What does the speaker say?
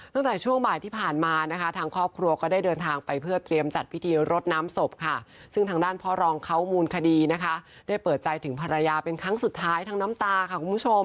ตั้งแต่ช่วงบ่ายที่ผ่านมานะคะทางครอบครัวก็ได้เดินทางไปเพื่อเตรียมจัดพิธีรดน้ำศพค่ะซึ่งทางด้านพ่อรองเขามูลคดีนะคะได้เปิดใจถึงภรรยาเป็นครั้งสุดท้ายทั้งน้ำตาค่ะคุณผู้ชม